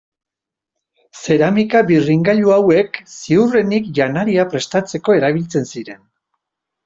Zeramika birringailu hauek ziurrenik janaria prestatzeko erabiltzen ziren.